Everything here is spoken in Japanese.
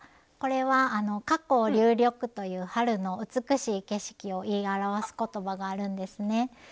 これは「花紅柳緑」という春の美しい景色を言い表す言葉があるんですね。